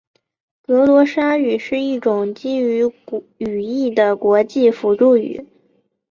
格罗沙语是一种基于语义的国际辅助语。